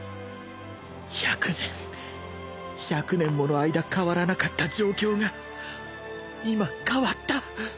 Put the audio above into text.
１００年１００年もの間変わらなかった状況が今変わった！